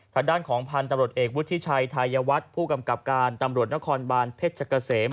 ทางด้านของพันธุ์ตำรวจเอกวุฒิชัยไทยวัฒน์ผู้กำกับการตำรวจนครบานเพชรเกษม